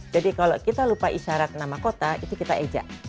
jadi kalau kita lupa isyarat nama kota itu kita ejak